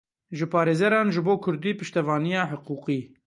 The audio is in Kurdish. Ji parêzeran ji bo kurdî piştevaniya hiqûqî.